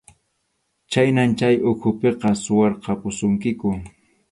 Khaynan chay ukhupiqa suwarqapusunkiku.